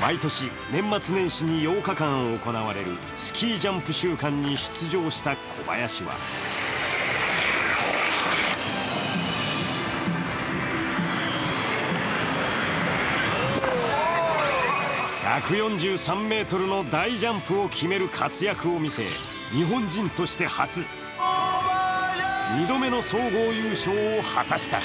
毎年、年末年始に８日間行われるスキージャンプ週間に出場した小林は１４３ｍの大ジャンプを決める活躍を見せ、日本人として初、２度目の総合優勝を果たした。